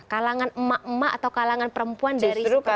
kalangan emak emak atau kalangan perempuan dari seperti apa